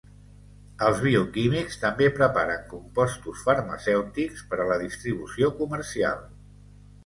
Els bioquímics també preparen compostos farmacèutics per a la distribució comercial.